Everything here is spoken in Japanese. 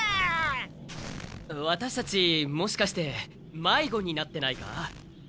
ワタシたちもしかしてまいごになってないか？